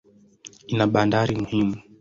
Ina bandari muhimu.